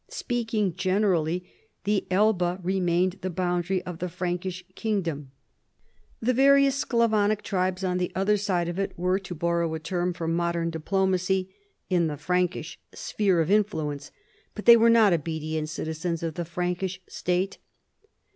Speaking generally, the Elbe remained the boundary of the Frankish kingdom. The various Sclavonic tribes on the other side of it were, to borrow a term ♦Ehine? WARS WITH AVARS ANi^ wcTLAVES. 211 from modern diplomacy, " in the Franldsh sphere of influence," but they were not obedient citizens of tlie Frankish state.